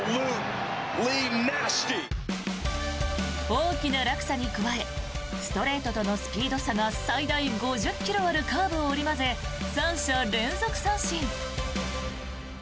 大きな落差に加えストレートとのスピード差が最大５０ｋｍあるカーブを織り交ぜ、３者連続三振。